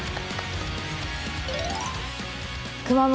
熊本